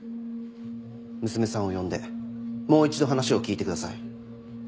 娘さんを呼んでもう一度話を聞いてください。